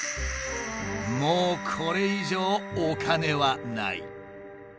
もうこれ以上お金はない。